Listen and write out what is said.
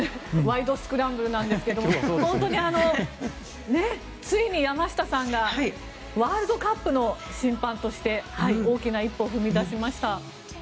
スクランブルなんですが本当についに山下さんがワールドカップの審判として大きな一歩を踏み出しました。